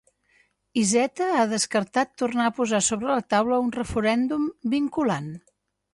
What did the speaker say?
Iceta ha descartat tornar a posar sobre la taula un referèndum vinculant.